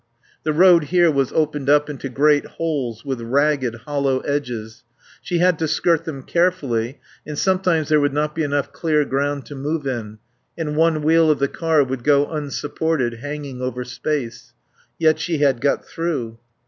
The road here was opened up into great holes with ragged, hollow edges; she had to skirt them carefully, and sometimes there would not be enough clear ground to move in, and one wheel of the car would go unsupported, hanging over space. Yet she had got through.